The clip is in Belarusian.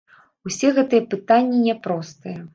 Усе гэтыя пытанні няпростыя.